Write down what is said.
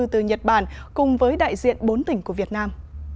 từ nhật bản cùng với đại diện bốn tỉnh của việt nam